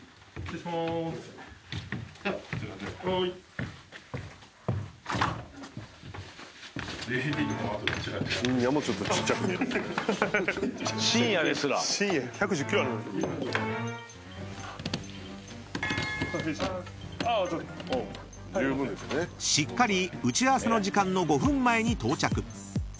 ［しっかり打ち合わせの時間の５分前に到着］